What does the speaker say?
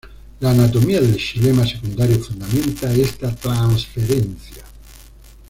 La anatomía del xilema secundario fundamenta esta transferencia.